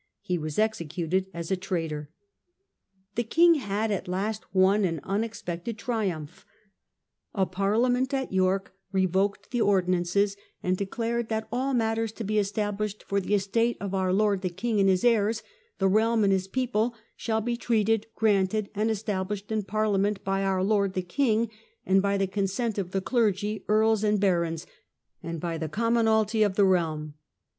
He was executed as a traitor. The king had at last won an imexpected triumph. A parliament at York revoked the Ordinances, aind declared that " all matters to be established for the estate of our lord the king and his heirs, the realm and people, shall be treated, granted, and established in Parliament by our lord the king, and by the consent of the clergy, earls, and barons, and by the commonalty of the realm